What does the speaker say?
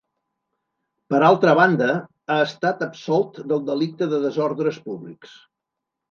Per altra banda, ha estat absolt del delicte de desordres públics.